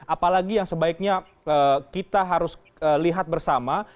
apalagi yang sebaiknya kita harus lihat bersama